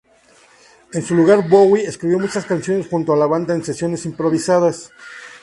En su lugar, Bowie escribió muchas canciones junto a la banda en sesiones improvisadas.